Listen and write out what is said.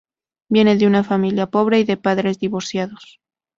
Viene de una familia pobre y de padres divorciados.